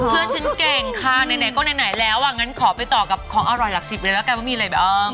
เพื่อนฉันเก่งค่ะไหนก็ไหนแล้วอ่ะงั้นขอไปต่อกับของอร่อยหลักสิบเลยแล้วกันว่ามีอะไรแบบเออ